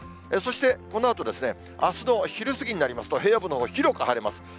そしてこのあと、あすの昼過ぎになりますと、平野部のほう、広く晴れます。